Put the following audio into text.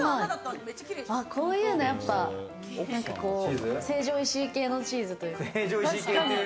こういうのやっぱ成城石井系のチーズというか。